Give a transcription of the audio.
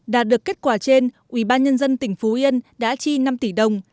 đạt được kết quả trên ubnd tỉnh phú yên đã chi năm tỷ đồng